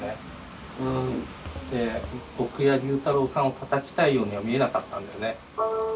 僕や龍太郎さんをたたきたいようには見えなかったんだよね。